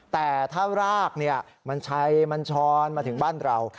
แต่ถ้ารากมันชัยมันช้อนมาถึงบ้านเรา